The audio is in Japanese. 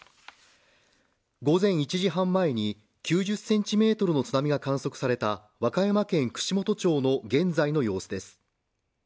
午前１時半前に９０ｃｍの津波が観測された和歌山県串本町の現在の様子です。